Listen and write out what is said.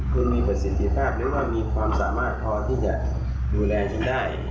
คุณมีประสิทธิภาพหรือว่ามีความสามารถพอที่จะดูแลฉันได้